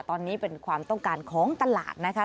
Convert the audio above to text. ตอนนี้เป็นความต้องการของตลาดนะคะ